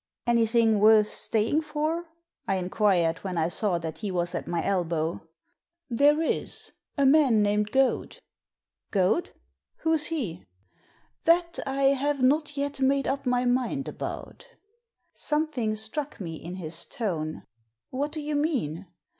"Anything worth staying for?" I inquired, when I saw that he was at my elbow. There is. A man named Goad." "Goad! Who's he?" That I have not yet made up my mind about" Something struck me in his tone. " What do you mean